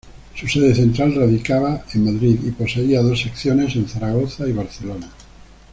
Su sede central radicaba en Madrid y poseía dos secciones en Zaragoza y Barcelona.